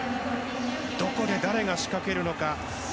どこで誰が仕掛けるのか。